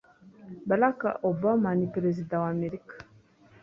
Barack Obama ni Perezida wa Amerika.